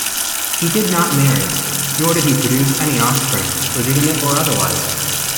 He did not marry, nor did he produce any offspring, legitimate or otherwise.